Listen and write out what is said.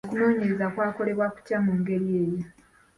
Okunoonyereza kwakolebwa kutya mu ngeri eyo?